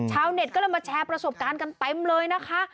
ชาวเน็ตก็เลยมาแชร์ประสบการณ์กันเต็มเลยนะคะ